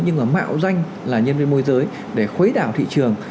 nhưng mà mạo danh là nhân viên môi giới để khuấy đảo thị trường